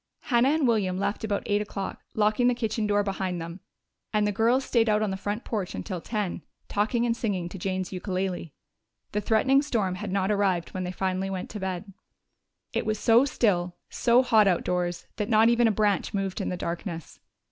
Hannah and William left about eight o'clock, locking the kitchen door behind them, and the girls stayed out on the front porch until ten, talking and singing to Jane's ukulele. The threatening storm had not arrived when they finally went to bed. It was so still, so hot outdoors that not even a branch moved in the darkness.